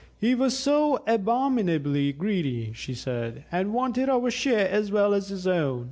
"He was so abominably greedy," she said, "and Wanted our share as well as his own.